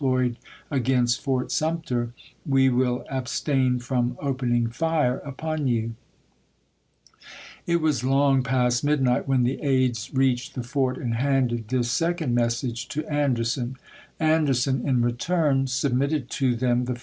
' ployed against Fort Sumter, we will abstain from open It was long past midnight when the aides reached the fort and handed this second message to Ander THE FALL OF SUMTER 47 son. Anderson in return submitted to them the chap.